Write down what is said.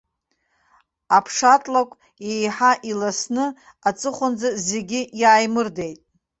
Аԥшатлакә еиҳа иласны, аҵыхәанӡа зегьы иааимырдеит.